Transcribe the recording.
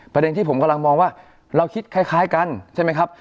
ประเด็นที่ผมกำลังมองว่าเราคิดคล้ายกันใช่ไหมครับ